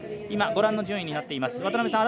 今、ご覧の順位になっています。